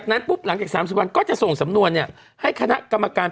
ใน๓๐วันนี้ครับ